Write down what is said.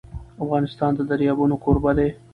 افغانستان د دریابونه کوربه دی.